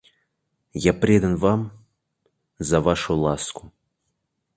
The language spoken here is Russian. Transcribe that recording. Я предан вам за вашу ласку.